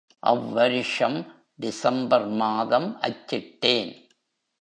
அவ்வருஷம் December மாதம் அச்சிட்டேன்.